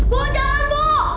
bu jangan bu